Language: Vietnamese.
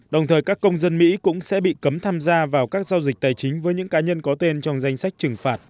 đồng thời các công dân mỹ cũng sẽ bị cấm tham gia vào các giao dịch tài chính với những cá nhân có tên trong danh sách trừng phạt